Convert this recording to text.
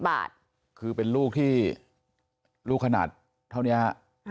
บาทคือเป็นลูกที่ลูกขนาดเท่านี้ฮะ